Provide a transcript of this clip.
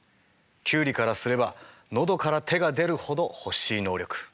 キュウリからすれば喉から手が出るほど欲しい能力。